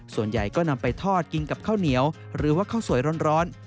ส่วนใหญ่ก็นำไปทอดกินกับข้าวเหนียวหรือว่าข้าวสวยร้อน